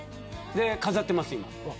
飾ってます、今。